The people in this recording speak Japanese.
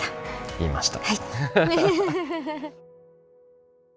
言いました。